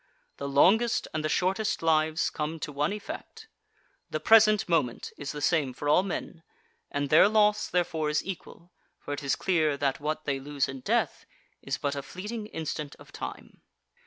The longest and the shortest lives come to one effect. The present moment is the same for all men, and their loss, therefore, is equal, for it is clear that what they lose in death is but a fleeting instant of time.